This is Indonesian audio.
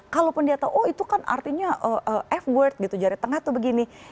kalaupun dia tahu oh itu kan artinya f word gitu jari tengah tuh begini